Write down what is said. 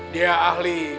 dia ahli paranormal